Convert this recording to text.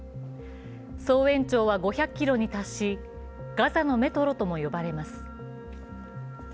総延長は５００ｋｍに達し、ガザのメトロとも呼ばれます。